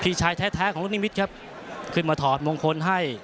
พี่ชายแท้ของลูกนิมิตรครับขึ้นมาถอดมงคลให้